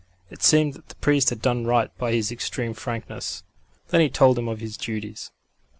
It seemed that the priest had done right by his extreme frankness. Then he told him of his duties.